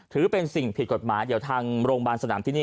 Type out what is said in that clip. ถือเป็นสิ่งผิดกฎหมายเดี๋ยวทางโรงพยาบาลสนามที่นี่